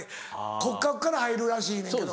骨格から入るらしいねんけど。